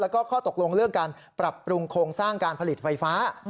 แล้วก็ข้อตกลงเรื่องการปรับปรุงโครงสร้างการผลิตไฟฟ้า